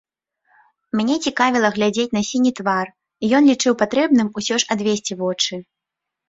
Мяне цікавіла глядзець на сіні твар, і ён лічыў патрэбным усё ж адвесці вочы.